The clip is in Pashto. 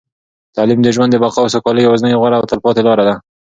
تعلیم د ژوند د بقا او سوکالۍ یوازینۍ، غوره او تلپاتې لاره ده.